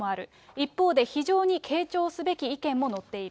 一方で非常に傾聴すべき意見も載っている。